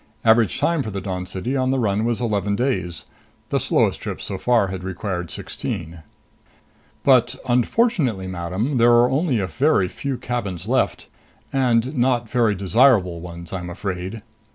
Average time for the Dawn City on the run was eleven days; the slowest trip so far had required sixteen. "But unfortunately, madam, there are only a very few cabins left and not very desirable ones, I'm afraid."